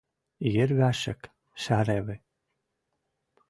Йӹрвӓшок шӓревӹ.